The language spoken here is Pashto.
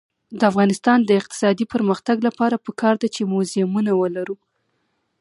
د افغانستان د اقتصادي پرمختګ لپاره پکار ده چې موزیمونه ولرو.